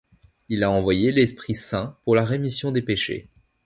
Il a envoyé l’Esprit Saint pour la rémission des péchés.